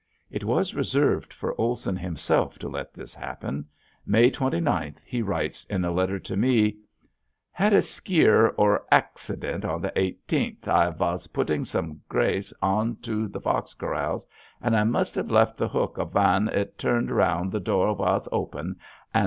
(It was reserved for Olson himself to let this happen. May twenty ninth he writes in a letter to me: "Had a skear or acksedent on the eighteenth, i vas putteng som grase in to the fox Corrals an i most heav left the hok of van i turnd around the dor vas open and 1.